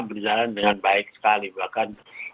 berjalan dengan baik sekali bahkan